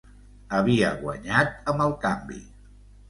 Havia guanyat amb el canvi!